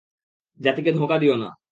জাতিকে ধোঁকা দিও না।